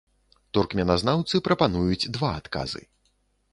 Туркменазнаўцы прапануюць два адказы.